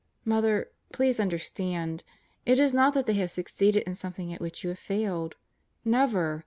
... Mother, please understand, it is not that they have succeeded in something at which you have failed. Never!